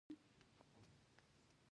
تاریخ د تیرو پیښو هنداره ده.